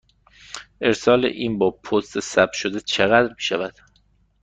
ارسال این با پست ثبت شده چقدر می شود؟